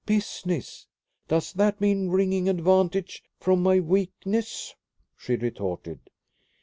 "Business! Does that mean wringing advantage from my weakness?" she retorted.